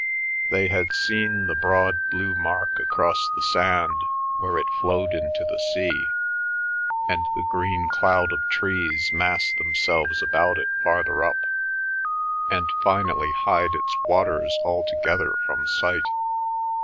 They had seen the broad blue mark across the sand where it flowed into the sea, and the green cloud of trees mass themselves about it farther up, and finally hide its waters altogether from sight.